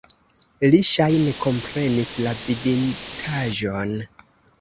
Li ŝajne komprenis la viditaĵon.